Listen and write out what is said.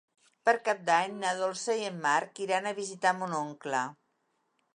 Per Cap d'Any na Dolça i en Marc iran a visitar mon oncle.